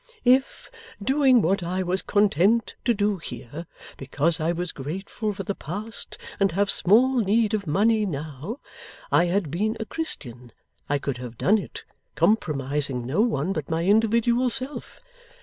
If, doing what I was content to do here, because I was grateful for the past and have small need of money now, I had been a Christian, I could have done it, compromising no one but my individual self.